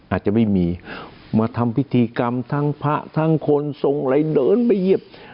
อาจจะไม่มีมาทำพิธีกรรมทางภาคทางคนส่งอะไรเดินไปหยิบ